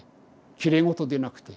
きれい事でなくて。